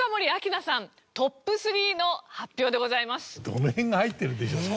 どの辺が入ってるんでしょうね？